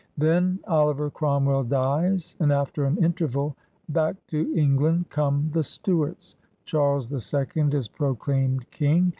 Then Oliver Cromwell dies; and, after an interval, back to England come the Stuarts. Charles 11 is proclaimed King.